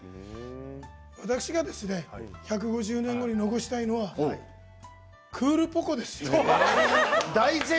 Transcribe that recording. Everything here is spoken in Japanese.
私が１５０年後に残したいのはクールポコ。です。